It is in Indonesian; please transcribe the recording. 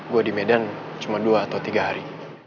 gue di medan cuma dua atau tiga hari